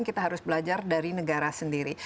kita harus belajar dari negara sendiri